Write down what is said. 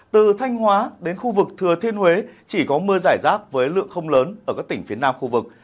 từ thanh hóa đến khu vực thừa thiên huế chỉ có mưa giải rác với lượng không lớn ở các tỉnh phía nam khu vực